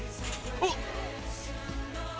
おっ！